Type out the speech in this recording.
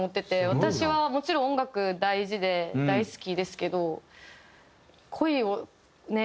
私はもちろん音楽大事で大好きですけど恋をね